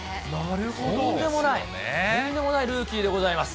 とんでもない、とんでもないルーキーでございます。